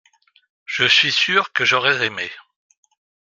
Je suis sûr que j’aurais aimé.